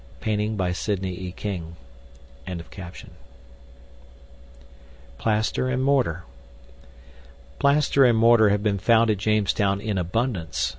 (Painting by Sidney E. King.)] PLASTER AND MORTAR Plaster and mortar have been found at Jamestown in abundance.